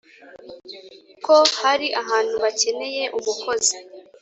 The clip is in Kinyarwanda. ko hari ahantu bakeneye umukozi.